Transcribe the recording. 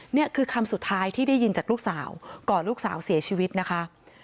นี่คือคำสุดท้ายที่ได้ยินจากลูกสาวก่อนลูกสาวเสียชีวิตนะคะ